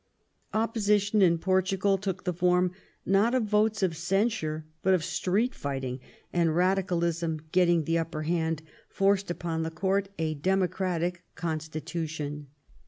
Opposition in Portugal took the form, not of votes of censure, but of street fighting, and Radicalism, getting the upper hand, forced upon the Gourt a democratic constitution.